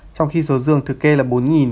trong khi số dương thực kê là bốn